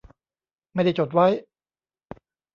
ไม่ได้จดไว้